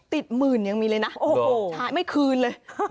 ติดหมื่นยังมีเลยนะไม่คืนเลย